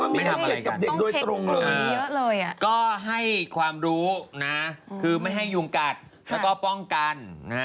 ไม่ทำอะไรกันก็ให้ความรู้นะคือไม่ให้ยุงกัดแล้วก็ป้องกัน